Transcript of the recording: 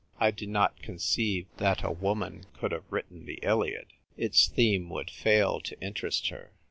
I do not conceive that a woman could have written the Iliad. Its theme would fail to interest her.